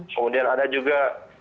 kemudian ada juga